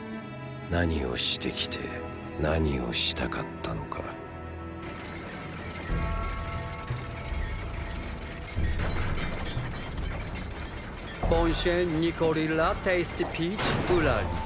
何をしてきて何をしたかったのかボンシェン・ニコリ・ラ・テイスティピーチ＝ウラリス。